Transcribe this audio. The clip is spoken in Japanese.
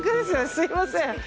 すいません。